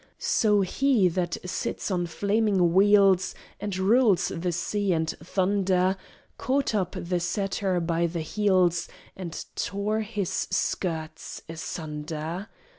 So he that sits on flaming wheels, And rules the sea and thunder, Caught up the satyr by the heels And tore his skirts asunder.